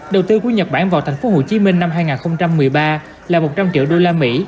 đầu tư của nhật bản vào thành phố hồ chí minh năm hai nghìn một mươi ba là một trăm linh triệu đô la mỹ